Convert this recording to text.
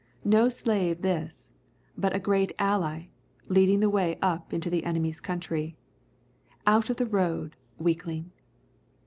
No slave this, but a giant ally, leading the way up into the enemy's country. Out of the road, weakling!